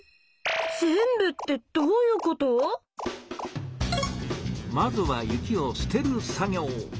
全部ってどういうこと⁉まずは雪を「捨てる」作業。